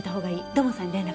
土門さんに連絡。